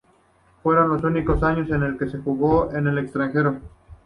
Fueron los únicos años en que jugó en el extranjero.